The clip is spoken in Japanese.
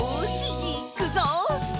いっくぞ！